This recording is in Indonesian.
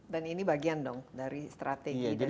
dan ini bagian dong dari strategi dan implementasi